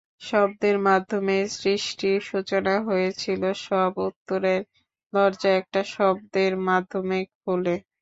শব্দের মাধ্যমেই সৃষ্টির সূচনা হয়েছিল, সব উত্তরের দরজা একটা শব্দের মাধ্যমেই খোলে!